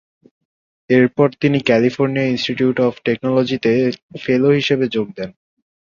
এরপর তিনি California Institute of টেকনোলজিতে ফেলো হিসেবে যোগ দেন।